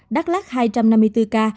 đắk lắc hai trăm năm mươi bốn ca